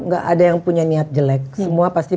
gak ada yang punya niat jelek semua pasti